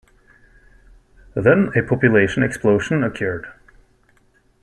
Then a population explosion occurred.